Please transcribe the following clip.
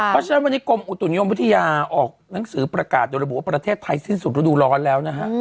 พระเจ้าบริกรมอุตถุนยมวิทยาออกหนังสือประกาศโดยระบุว่าประเทศไทยสิ้นสุดรูดูร้อนแล้วนะฮะ